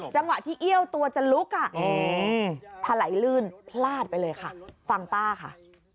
จังหวะที่เอี้ยวตัวจะลุกอ่ะถลายลื่นพลาดไปเลยค่ะฟังป้าค่ะ